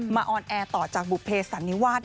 ออนแอร์ต่อจากบุภเพสันนิวาส